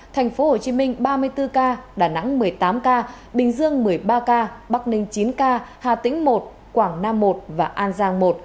tp hcm ba mươi bốn ca đà nẵng một mươi tám ca bình dương một mươi ba ca bắc ninh chín ca hà tĩnh một quảng nam một và an giang một